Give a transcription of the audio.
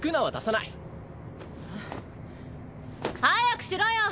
早くしろよ！